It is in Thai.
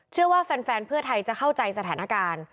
เชื่อว่าแฟนเพื่อไทยจะเข้าใจสถานการณ์